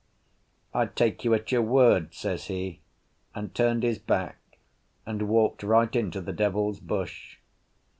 "I take you at your word," says he, and turned his back, and walked right into the devil's bush.